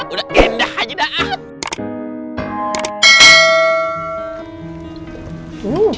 udah gendah aja dah